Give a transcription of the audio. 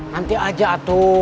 nanti aja atuh